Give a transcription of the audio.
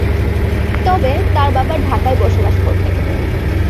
তবে তার বাবা ঢাকায় বসবাস করতেন।